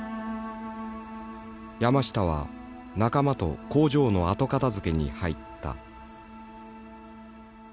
山下は仲間と工場の後片づけに入った。